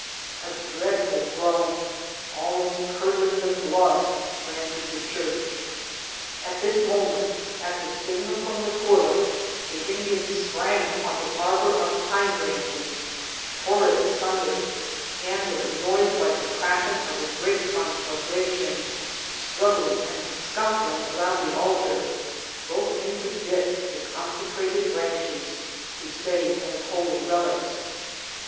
A dreadful groan, almost curdling the blood, ran through the church. At this moment, at a signal from the cura, the Indians sprang upon the ar bour of pine branches, tore it asunder, and with a noise like the crackling of a great conflagration, struggling and scuffling around the altar, broke into bits the con secrated branches to save as holy relics.